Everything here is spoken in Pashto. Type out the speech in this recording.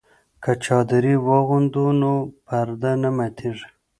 که چادري واغوندو نو پرده نه ماتیږي.